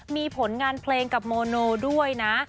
มีผลงานเพลงกับโมโนด้วยนะ